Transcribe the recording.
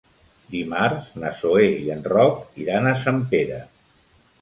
Dimarts na Zoè i en Roc iran a Sempere.